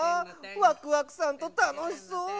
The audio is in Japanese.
ワクワクさんとたのしそう。